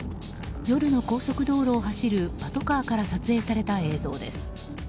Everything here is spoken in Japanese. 夜の高速道路を走るパトカーから撮影された映像です。